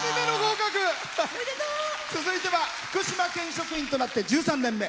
続いては福島県職員となって１３年目。